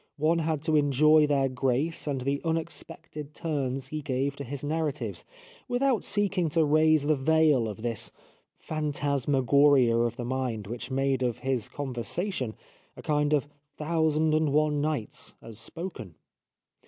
One had to enjoy their grace and the unexpected turns he gave to his narratives, without seeking to raise the veil of this phantasmagoria of the mind which made of his conversation a kind of ' Thousand and One Nights ' as spoken.